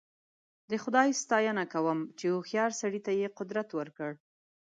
د خدای ستاینه کوم چې هوښیار سړي ته قدرت ورکړ.